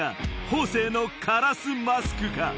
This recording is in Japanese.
方正のカラスマスクか？